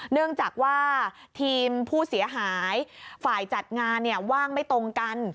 เนื่องจากว่าทีมผู้เสียหายฝ่ายจัดงานว่างไม่ตรงกัน